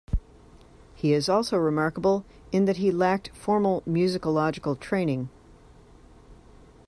He is also remarkable in that he lacked formal musicological training.